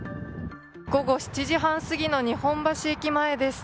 午後７時半すぎの日本橋駅前です。